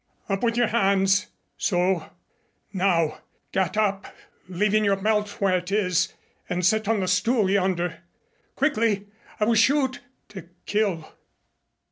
"Up with your hands! So. Now get up, leaving your belt where it is, and sit on the stool yonder. Quickly! I will shoot to kill."